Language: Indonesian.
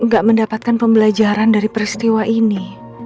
gak mendapatkan pembelajaran dari peristiwa ini